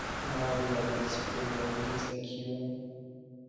Marie where Lake Superior enters Lake Huron.